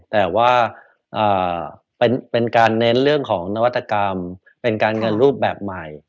แต่ว่าเป็นการเน้นเรื่องของนวัตกรรมเป็นการเงินรูปแบบใหม่